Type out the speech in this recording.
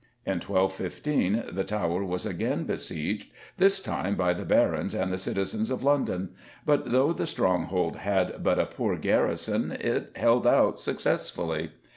In 1215 the Tower was again besieged, this time by the barons and the citizens of London, but though the stronghold had but a poor garrison it held out successfully.